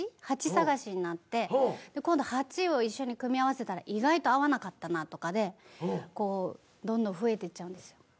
鉢探しになって今度鉢を一緒に組み合わせたら意外と合わなかったなとかでこうどんどん増えてっちゃうんですよ。